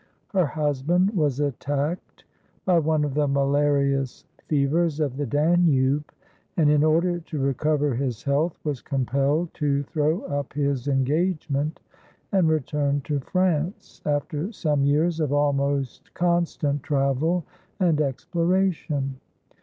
Her husband was attacked by one of the malarious fevers of the Danube, and in order to recover his health was compelled to throw up his engagement and return to France, after some years of almost constant travel and exploration.